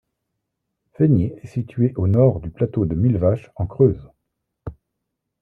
Féniers est située au Nord du plateau de Millevaches en Creuse.